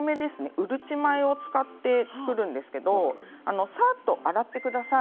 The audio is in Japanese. うるち米を使って作るんですけれどさっと洗ってください。